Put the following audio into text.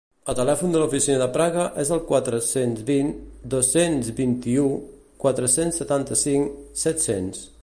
El telèfon de l'oficina de Praga és el quatre-cents vint dos-cents vint-i-u quatre-cents setanta-cinc set-cents.